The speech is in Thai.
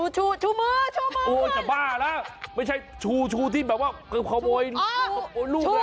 ชูชูมือค่ะโอ๊ยจะบ้าแล้วไม่ใช่ชูที่แบบว่ากระโบยลูก